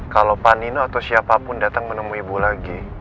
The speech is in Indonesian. kalau pak nino atau siapapun datang menemui ibu lagi